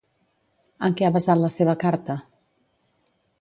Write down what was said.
En què ha basat la seva carta?